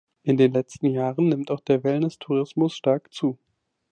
In den letzten Jahren nimmt auch der Wellness-Tourismus stark zu.